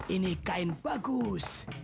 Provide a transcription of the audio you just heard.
ini kain bagus